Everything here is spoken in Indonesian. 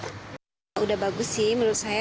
sudah bagus sih menurut saya